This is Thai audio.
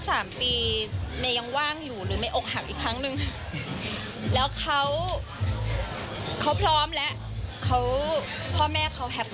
มาจีบใหม่แล้วกัน